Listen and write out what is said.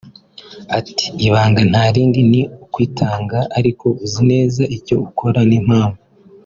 ati “Ibanga nta rindi ni ukwitanga ariko uzi neza icyo ukora n’impamvu